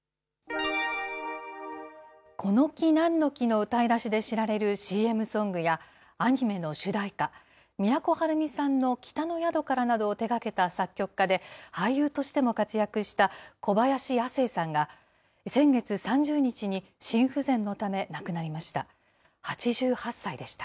この木なんの木の歌いだしで知られるＣＭソングや、アニメの主題歌、都はるみさんの北の宿からなどを手がけた作曲家で、俳優としても活躍した小林亜星さんが、先月３０日に心不全のため、亡くなりました。